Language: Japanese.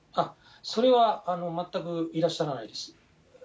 それは全くいらっしゃらないです。